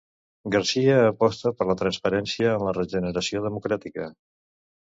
Garcia aposta per la transparència i la regeneració democràtica.